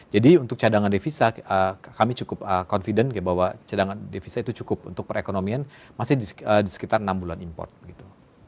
jadi untuk cadangan devisa kami cukup confident bahwa cadangan devisa itu cukup untuk perekonomian masih di sekitar enam bulan import